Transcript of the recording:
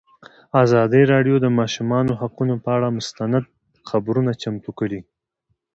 ازادي راډیو د د ماشومانو حقونه پر اړه مستند خپرونه چمتو کړې.